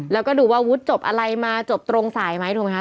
แล้วก็ดูว่าวุฒิจบอะไรมาจบตรงสายไหมถูกไหมคะ